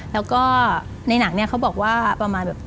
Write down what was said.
แล้วก็ในหนังเขาบอกว่าประมาณ